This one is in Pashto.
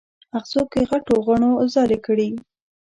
اغزو کې غټو غڼو ځالې کړي